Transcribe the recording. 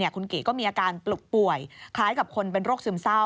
คุณกิก็มีอาการปลุกป่วยคล้ายกับคนเป็นโรคซึมเศร้า